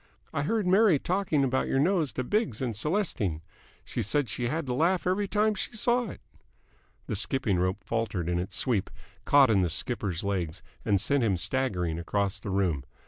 I heard Mary talking about your nose to Biggs and Celestine. She said she had to laugh every time she saw it." The skipping rope faltered in its sweep, caught in the skipper's legs, and sent him staggering across the room.